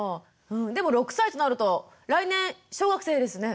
でも６歳となると来年小学生ですね。